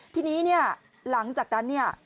ทีนี้เนี่ยหลังจากนั้นเนี่ย